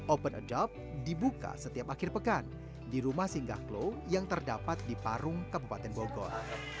open adopt dibuka setiap akhir pekan di rumah singgah klo yang terdapat di parung kabupaten bogor